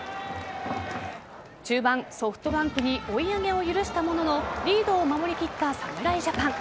中盤、ソフトバンクに追い上げを許したもののリードを守りきった侍ジャパン。